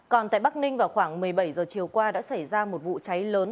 còn tại bắc ninh vào khoảng một mươi bảy h chiều qua đã xảy ra một vụ cháy lớn